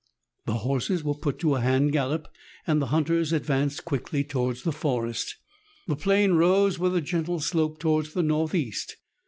The horses were put to a hand gallop, and the hunters advanced quickly towards the forest. The plain rose with a gentle slope towards the north east.